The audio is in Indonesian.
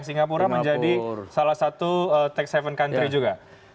singapura menjadi salah satu tax haven country juga